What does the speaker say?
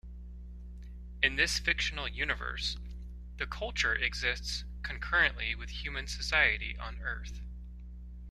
In this fictional universe, the Culture exists concurrently with human society on Earth.